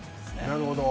なるほど。